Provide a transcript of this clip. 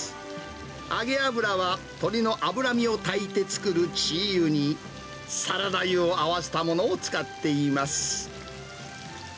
揚げ油は、鳥の脂身を炊いて作るチー油に、サラダ油を合わせたものを使っています。